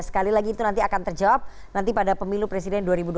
sekali lagi itu nanti akan terjawab nanti pada pemilu presiden dua ribu dua puluh